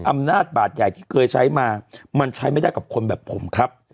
อำนาจบาดใหญ่ที่เคยใช้มามันใช้ไม่ได้กับคนแบบผมครับ